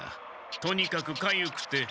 とにかくかゆくて。